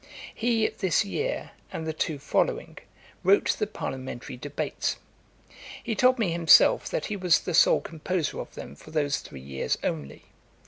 He this year, and the two following, wrote the Parliamentary Debates. He told me himself, that he was the sole composer of them for those three years only.